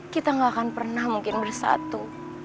kita gak akan pernah mungkin bersatu